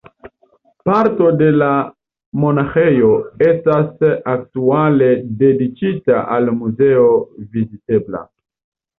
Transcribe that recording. Parto de la monaĥejo estas aktuale dediĉita al muzeo vizitebla.